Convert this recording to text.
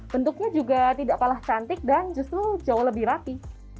bentuknya juga tidak kalah cantik dan justru jauh lebih rapi